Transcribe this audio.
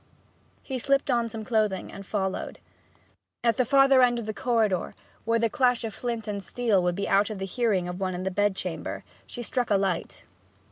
He slipped on some clothing and followed. At the farther end of the corridor, where the clash of flint and steel would be out of the hearing of one in the bed chamber, she struck a light.